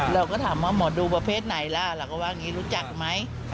เราก็ถามว่าหมอดูประเภทไหนล่ะเราก็ว่าอย่างนี้รู้จักไหม